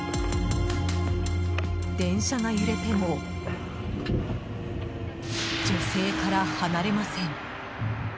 電車が揺れても女性から離れません。